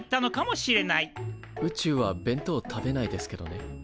宇宙は弁当食べないですけどね。